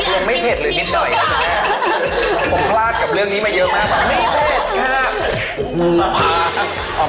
กับรวมไม่เผ็ดหรือนิดหน่อยนะคุณแม่ผมคลากับเรื่องนี้มาเยอะมาก